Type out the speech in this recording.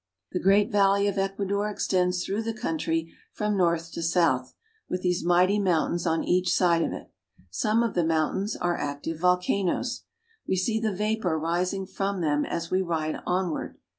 The great valley of Ecuador extends through the coun try from north to south, with these mighty mountains on each side of it. Some of the mountains are active volca noes. We see the vapor rising from them as we ride onward.